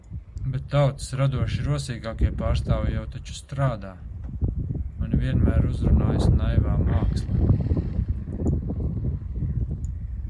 Bet tautas radoši rosīgākie pārstāvji jau taču strādā! Mani vienmēr uzrunājusi naivā māksla.